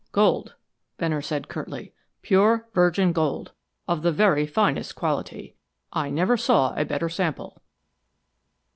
"Gold," Venner said curtly. "Pure virgin gold, of the very finest quality. I never saw a better sample."